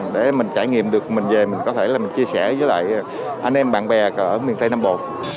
để mình trải nghiệm được mình về mình có thể là mình chia sẻ với lại anh em bạn bè ở miền tây nam bộ